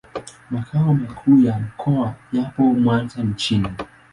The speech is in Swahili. Makao makuu ya mkoa yapo Mwanza mjini.